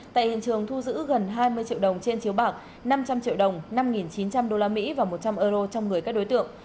tại hiện trường thu giữ gần hai mươi triệu đồng trên chiếu bạc năm trăm linh triệu đồng năm chín trăm linh usd và một trăm linh euro trong người các đối tượng